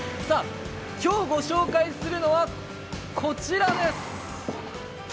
今日ご紹介するのは、こちらです。